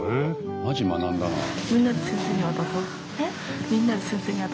マジ学んだなあ。